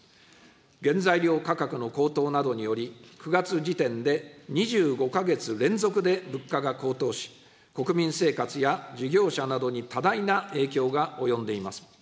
原材料価格の高騰などにより、９月時点で２５か月連続で物価が高騰し、国民生活や事業者などに多大な影響が及んでいます。